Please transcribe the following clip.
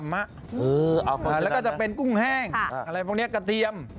แล้วก็จะเป็นกุ้งแห้งอะไรพวกนี้กระเทียม